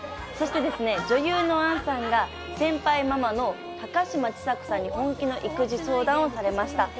そして女優の杏さんが先輩ママの高嶋ちさ子さんに本気の育児相談をされました。